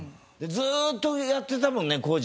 ずーっとやってたもんね工事ね。